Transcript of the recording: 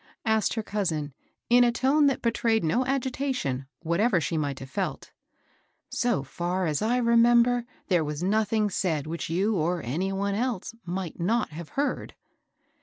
asked her coi3«ai, in a tone that betrayed no agitation, whatever she might have felt. ^^ So &r as I remember, there was nothing said which yoii or any one else might not have heard."